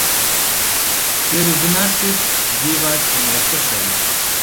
Der Gewinner steht jeweils an erster Stelle.